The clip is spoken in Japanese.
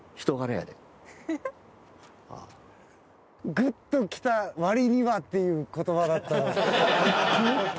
グッときた割にはっていう言葉だった。